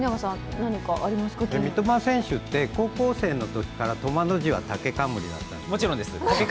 三笘選手って、高校生のときから「笘」はたけかんむりだったんですか？